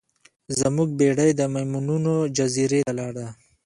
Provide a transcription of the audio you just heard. زموږ بیړۍ د میمونونو جزیرې ته لاړه.